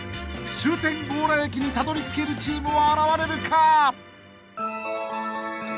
［終点強羅駅にたどりつけるチームは現れるか！？］